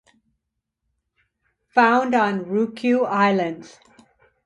Found on Ryukyu Islands.